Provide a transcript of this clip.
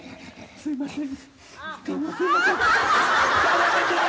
すいません。